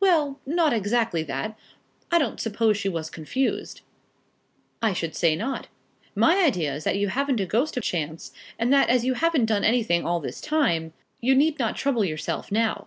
"Well, not exactly that. I don't suppose she was confused." "I should say not. My idea is that you haven't a ghost of chance, and that as you haven't done anything all this time, you need not trouble yourself now."